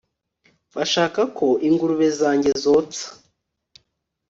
bashaka ko ingurube zanjye zotsa